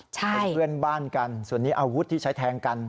เป็นเพื่อนบ้านกันส่วนนี้อาวุธที่ใช้แทงกัน